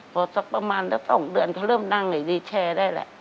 พอสักประมาณสัก๒เดือนเขาเริ่มนั่งดีแชร์ได้แหละ